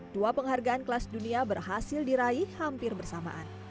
dua penghargaan kelas dunia berhasil diraih hampir bersamaan